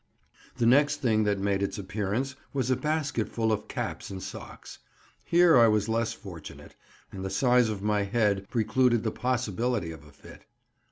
The next thing that made its appearance was a basket full of caps and stocks. Here I was less fortunate, and the size of my head precluded the possibility of a fit.